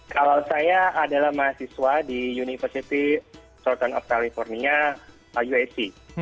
kalau saya adalah mahasiswa di university of california uac